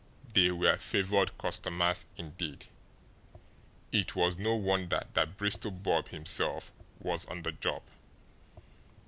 They were favoured customers indeed! It was no wonder that Bristol Bob himself was on the job!